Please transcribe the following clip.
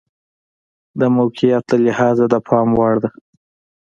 د موقعیت له لحاظه د پام وړ ده.